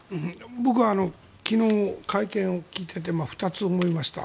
僕は昨日、会見を聞いてて２つ思いました。